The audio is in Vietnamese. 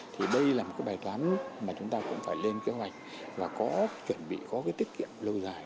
thì đây là một cái bài toán mà chúng ta cũng phải lên kế hoạch và có chuẩn bị có cái tiết kiệm lâu dài